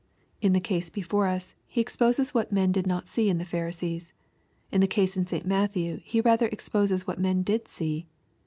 — In tlie case before ua He exposes what men did not see in the Pharisees. In the case in St. Matthew He rather exposes what men did see.